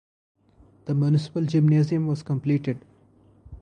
The municipal gymnasium was completed.